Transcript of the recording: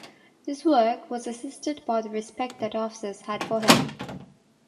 His work was assisted by the respect that officers had for him.